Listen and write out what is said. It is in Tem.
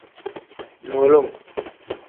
Mulum.